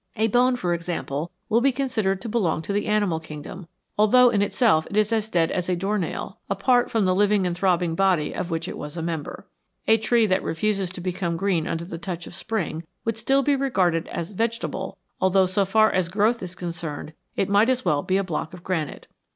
A bone, for example, would be considered to belong to the animal kingdom, although in itself it is as dead as a door nail, apart from the living and throbbing body of which it was a member. A tree that refuses to become green under the touch of spring would still be regarded as " vegetable," although, so far as growth is concerned, it might as well be a block of granite.